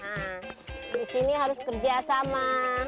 nah di sini harus kerja sama